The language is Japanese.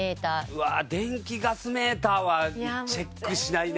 うわ電気・ガスメーターはチェックしないな。